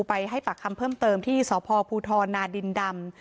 ไปให้ปากคำเพิ่มเติมที่สพภูทรนาดินดำ